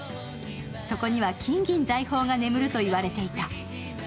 そこには金銀財宝が眠ると言われていた。